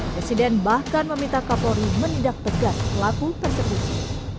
presiden bahkan meminta kapolri menindak tegas pelaku persekusi